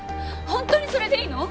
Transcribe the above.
本当にそれでいいの？